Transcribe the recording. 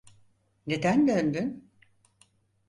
Neden döndün?